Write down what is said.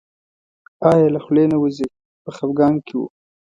آه یې له خولې نه وځي په خپګان کې و.